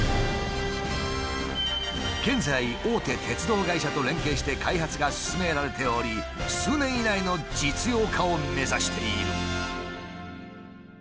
現在大手鉄道会社と連携して開発が進められており数年以内の実用化を目指している。